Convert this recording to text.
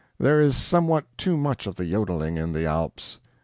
There is somewhat too much of the jodeling in the Alps.